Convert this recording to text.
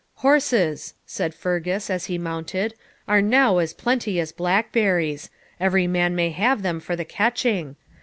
'Horses,' said Fergus, as he mounted, 'are now as plenty as blackberries; every man may have them for the catching.